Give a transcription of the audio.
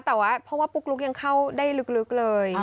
แต่ว่าเพราะว่าปุ๊กลุ๊กยังเข้าได้ลึกเลย